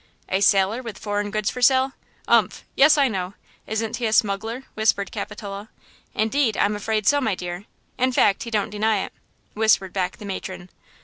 "A sailor with foreign goods for sale! Umph! yes, I know. Isn't he a smuggler?" whispered Capitola "Indeed. I'm afraid so, my dear–in fact, he don't deny it!" whispered back the matron.